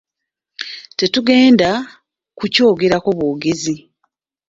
Tetugenda ku kyogerako bwogezi.